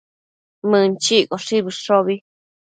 Mënchiccoshi bëshobi